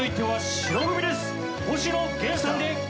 星野源さんで『恋』です。